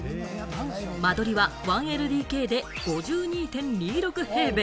間取りは１ＬＤＫで５２．２６平米。